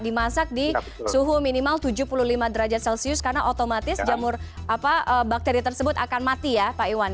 dimasak di suhu minimal tujuh puluh lima derajat celcius karena otomatis jamur bakteri tersebut akan mati ya pak iwan